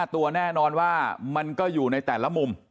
ตัวแน่นอนว่ามันก็อยู่ในแต่ละมุม